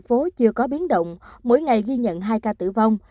trước đó chưa có biến động mỗi ngày ghi nhận hai ca tử vong